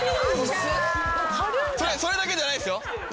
それだけじゃないっすよ！